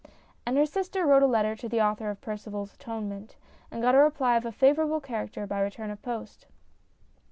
And her sister wrote a letter to the author of Percival 's Atonement, and got a reply of a favourable character by return of post.